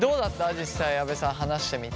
実際阿部さん話してみて。